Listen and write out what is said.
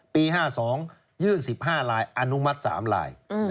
๕๒ยื่น๑๕ลายอนุมัติ๓ลาย